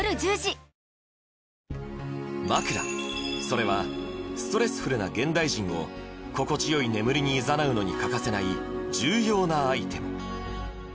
それはストレスフルな現代人を心地よい眠りにいざなうのに欠かせない重要なアイテム